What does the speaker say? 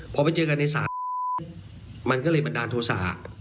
พอไปเจอกันในศาลมันก็เลยบันดาลโทษะ